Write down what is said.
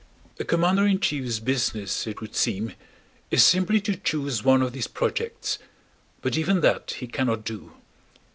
A commander in chief's business, it would seem, is simply to choose one of these projects. But even that he cannot do.